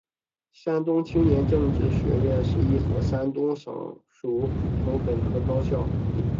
山东青年政治学院是一所山东省属普通本科高校。